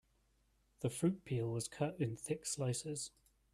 The fruit peel was cut in thick slices.